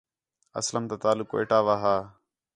اسلم تا تعلق کوئٹہ وا ہا